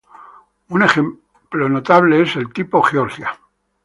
Un ejemplo notable es el tipo Georgia.